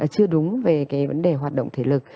chưa đúng về cái vấn đề hoạt động thể lực